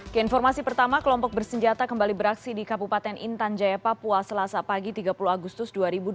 keinformasi pertama kelompok bersenjata kembali beraksi di kabupaten intan jaya papua selasa pagi tiga puluh agustus dua ribu dua puluh